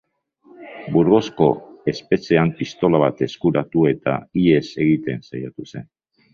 Burgosko espetxean pistola bat eskuratu eta ihes egiten saiatu zen.